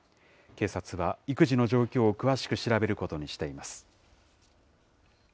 警察は、育児の状況を詳しく調べることにしています。